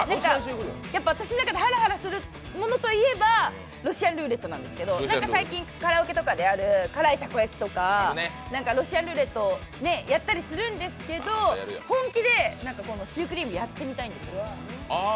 私の中ではらはらするものといえばロシアンルーレットなんですけど、最近、カラオケとかである辛いたこ焼きとか、ロシアンルーレットをやったりするんですけど本気で、シュークリームやってみたいんです。